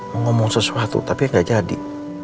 mau ngomong sesuatu tapi gak jadi